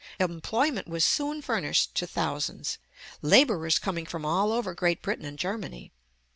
Employment was soon furnished to thousands, laborers coming from all over Great Britain and Germany.